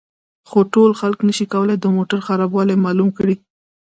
خو ټول خلک نشي کولای د موټر خرابوالی معلوم کړي